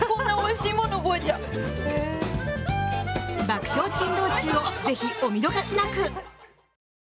爆笑珍道中をぜひお見逃しなく！